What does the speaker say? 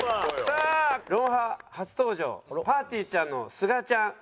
さあ『ロンハー』初登場ぱーてぃーちゃんのすがちゃん最高Ｎｏ．１。